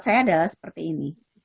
saya adalah seperti ini